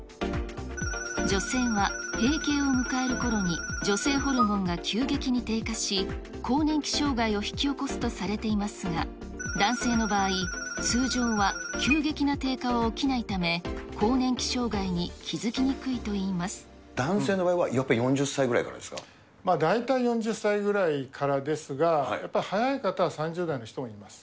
女性は閉経を迎えるころに女性ホルモンが急激に低下し、更年期障害を引き起こすとされていますが、男性の場合、通常は急激な低下は起きないため、更年期障害に気付きにくいといい男性の場合は、やっぱり４０大体４０歳ぐらいからですが、やっぱり早い方は３０代の人もいます。